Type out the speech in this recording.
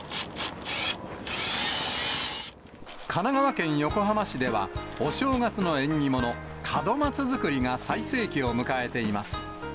神奈川県横浜市では、お正月の縁起物、門松作りが最盛期を迎えています。